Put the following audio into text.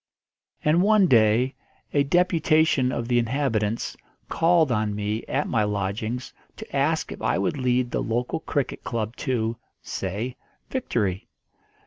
And one day a deputation of the inhabitants called on me at my lodgings to ask if I would lead the local cricket club to, say, victory.